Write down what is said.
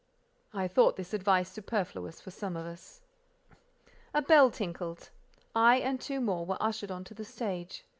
God knows I thought this advice superfluous for some of us. A bell tinkled. I and two more were ushered on to the stage.